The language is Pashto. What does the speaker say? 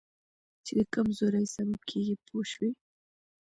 چې د کمزورۍ سبب کېږي پوه شوې!.